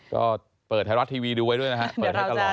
ก็เปิดถ่ายรัดทีวีดูไว้ด้วยนะครับเปิดให้ตลอดเลย